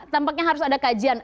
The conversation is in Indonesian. tampaknya harus ada kajian